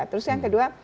terus yang kedua